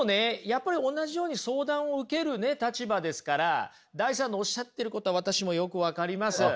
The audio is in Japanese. やっぱり同じように相談を受けるね立場ですからダイさんのおっしゃってることは私もよく分かります。